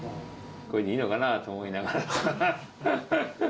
これでいいのかなと思いながら。